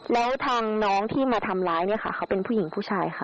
แล้วทางน้องที่มาทำร้ายเนี่ยค่ะเขาเป็นผู้หญิงผู้ชายค่ะ